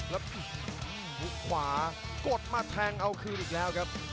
แล้วหุบขวากดมาแทงเอาคืนอีกแล้วครับ